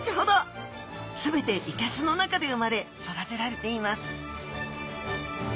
全ていけすの中で生まれ育てられています